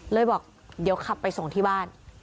บอกเดี๋ยวขับไปส่งที่บ้าน